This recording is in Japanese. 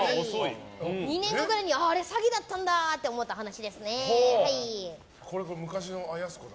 ２年後ぐらいにあれ詐欺だったんだってこれ、昔のやす子だ。